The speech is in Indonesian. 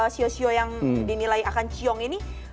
sio sio yang dinilai akan ciong ini